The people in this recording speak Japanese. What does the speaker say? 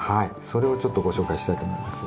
それをちょっとご紹介したいと思います。